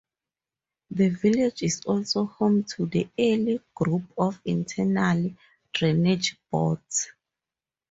The village is also home to the Ely Group of Internal Drainage Boards.